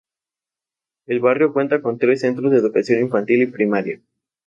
El barrio cuenta con tres Centros de Educación Infantil y Primaria.